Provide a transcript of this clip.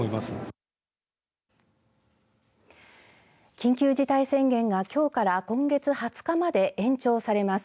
緊急事態宣言が、きょうから今月２０日まで延長されます。